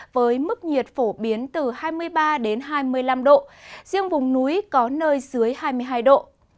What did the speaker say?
với mức nhiệt phổ biến từ hai mươi ba đến hai mươi năm độ riêng vùng núi có nơi dưới hai mươi hai độ